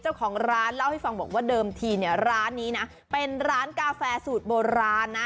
เจ้าของร้านเล่าให้ฟังบอกว่าเดิมทีเนี่ยร้านนี้นะเป็นร้านกาแฟสูตรโบราณนะ